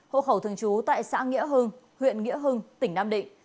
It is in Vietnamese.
hộ khẩu thường trú tại xã nghĩa hưng huyện nghĩa hưng tỉnh nam định